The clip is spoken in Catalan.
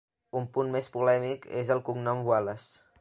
Un punt més polèmic és el cognom Wallace.